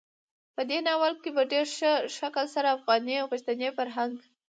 په دې ناول کې په ډېر ښه شکل سره افغاني او پښتني فرهنګ,